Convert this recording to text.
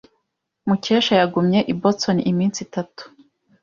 Mukesha yagumye i Boston iminsi itatu.